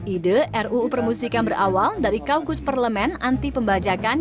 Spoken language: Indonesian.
ide ruu permusikan berawal dari kaukus parlemen anti pembajakan